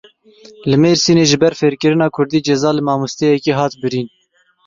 Li Mêrsînê ji ber fêrkirina kurdî ceza li mamosteyekî hat birîn.